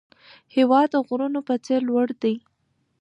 هېواد د غرونو په څېر لوړ دی.